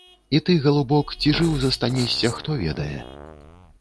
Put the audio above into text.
І ты, галубок, ці жыў застанешся, хто ведае.